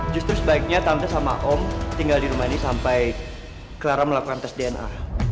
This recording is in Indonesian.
justru sebaiknya tante sama om tinggal di rumah ini sampai clara melakukan tes dna